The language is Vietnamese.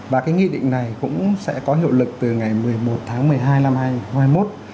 và cái nghị định này cũng sẽ có hiệu lực từ ngày một mươi một tháng một mươi hai năm hai nghìn hai mươi một